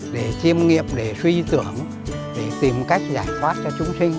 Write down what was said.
để chiêm nghiệm để suy tưởng để tìm cách giải thoát cho chúng sinh